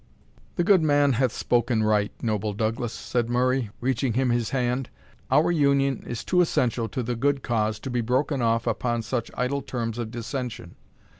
"The good man hath spoken right, noble Douglas," said Murray, reaching him his hand, "our union is too essential to the good cause to be broken off upon such idle terms of dissension.